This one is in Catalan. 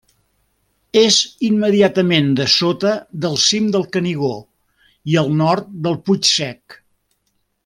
És immediatament dessota del cim del Canigó i al nord del Puig Sec.